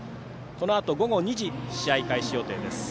このあと午後２時試合開始予定です。